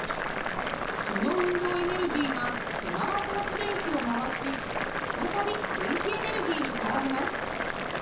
その運動エネルギーが手回し発電機を回し再び電気エネルギーに変わります。